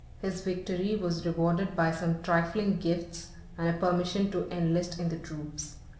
His victory was rewarded by some trifling gifts, and a permission to enlist in the troops.